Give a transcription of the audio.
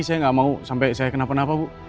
saya nggak mau sampai saya kenapa kenapa bu